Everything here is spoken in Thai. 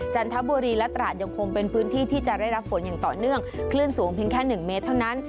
จันทบุรีและตราดยังคงเป็นพื้นที่ที่จะได้รับฝนอย่างต่อเนื่องคลื่นสูงเพียงแค่หนึ่งเมตรเท่านั้น